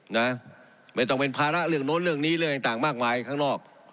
นะไม่ต้องเป็นภาระเรื่องโน้นเรื่องนี้เรื่องต่างมากมายข้างนอก